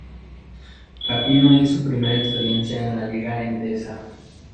Para Pino es su primera experiencia en la Liga Endesa.